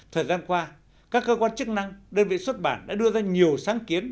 thời gian qua các cơ quan chức năng đơn vị xuất bản đã đưa ra nhiều sáng kiến